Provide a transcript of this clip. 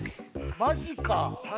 マジか。